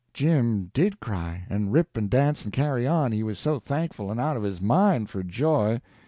Jim did cry, and rip and dance and carry on, he was so thankful and out of his mind for joy.